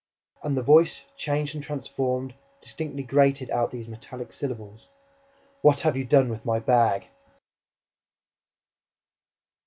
And the voice, changed and transformed, distinctly grated out these metallic syllables: "WHAT HAVE YOU DONE WITH MY BAG?"